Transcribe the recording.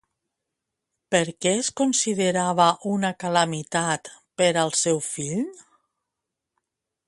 Per què es considerava una calamitat per al seu fill?